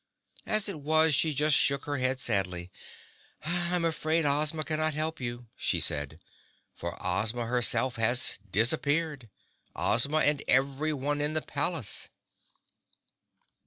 As it was she just shook her head sadly. "I'm afraid Ozma cannot help you," she said, "for Ozma herself has disappeared—Ozma and everyone in the palace."